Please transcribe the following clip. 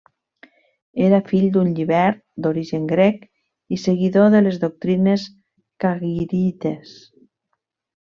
Era fill d'un llibert d'origen grec i seguidor de les doctrines kharigites.